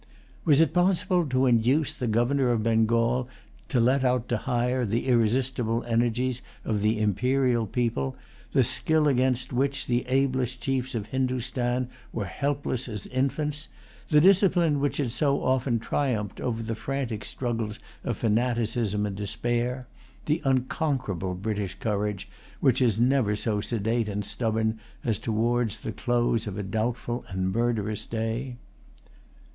Was it possible to induce the Governor of Bengal to let out to hire the irresistible energies of the imperial people, the skill against which the ablest chiefs of Hindostan were helpless as infants, the discipline which had so often triumphed over the frantic struggles of fanaticism and despair, the unconquerable British courage which is never so sedate and stubborn as towards the close of a doubtful and murderous day?